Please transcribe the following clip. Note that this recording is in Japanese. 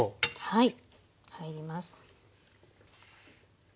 はい。